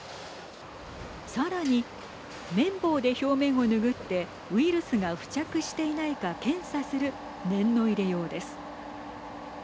さらに、綿棒で表面を拭ってウイルスが付着していないか検査する念の入れようです。